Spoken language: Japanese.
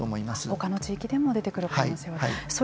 他の地域でも出てくる可能性があると。